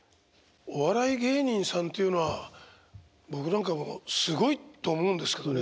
お笑い芸人さんっていうのは僕なんかすごいって思うんですけどね。